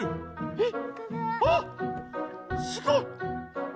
えっ！